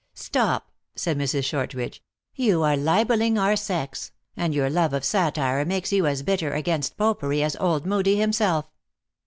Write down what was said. " Stop," said Mrs. Shortridge ;" you are libeling our sex, and your love of satire makes you as bitter against Popery as old Moodie himself."